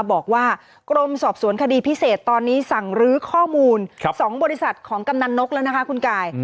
บอกว่ากรมสอบสวนคดีพิเศษตอนนี้สั่งรื้อข้อมูล๒บริษัทของกำนันนกแล้วนะคะคุณกาย